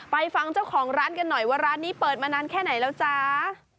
ฟังเจ้าของร้านกันหน่อยว่าร้านนี้เปิดมานานแค่ไหนแล้วจ้า